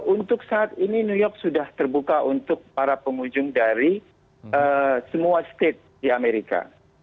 untuk saat ini new york sudah terbuka untuk para pengunjung dari semua state di amerika